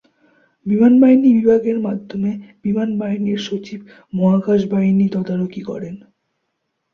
বিমান বাহিনী বিভাগের মাধ্যমে বিমান বাহিনীর সচিব মহাকাশ বাহিনী তদারকি করেন।